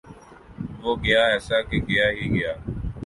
وہ گیا ایسا کی گیا ہی گیا